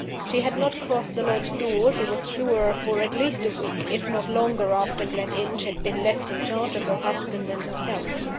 She had not crossed the lodge door, she was sure, for at least a week (if not longer after Gleninch had been left in charge of her husband and herself).